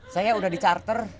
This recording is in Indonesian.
saya udah di charter